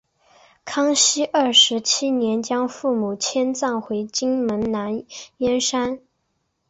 康熙二十七年将父母迁葬回金门兰厝山。